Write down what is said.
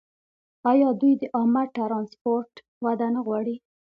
آیا دوی د عامه ټرانسپورټ وده نه غواړي؟